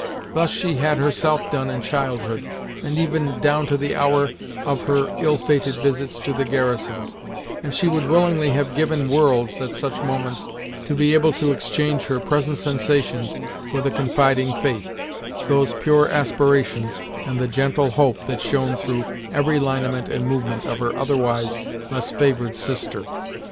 Thus had she herself done in childhood, and even down to the hour of her ill fated visits to the garrisons, and she would willingly have given worlds, at such moments, to be able to exchange her present sensations for the confiding faith, those pure aspirations, and the gentle hope that shone through every lineament and movement of her otherwise, less favored sister.